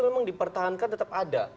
memang dipertahankan tetap ada